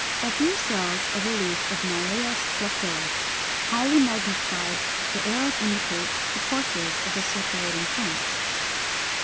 489. A few cells of a leaf of Naias flexilis, highly magnified: the arrows indicate the courses of the circulating currents.